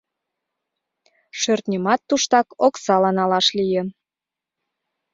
Шӧртньымат туштак оксала налаш лийын.